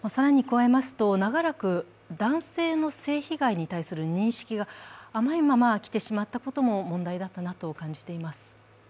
さらに、長らく男性の性被害に関する認識が甘いままきてしまったことも問題だったなと感じています。